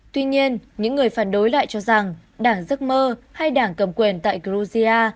tuy nhiên những người phản đối lại cho rằng đảng giấc mơ hay đảng cầm quyền tại georgia